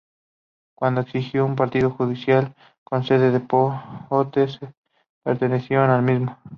Cuando existió un partido judicial con sede en Potes, pertenecieron al mismo.